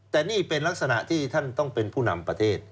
แต่นี่เป็นลักษณะที่ท่านต้องเป็นผู้นำประเทศ